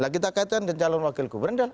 nah kita kaitkan dengan calon wakil gubernur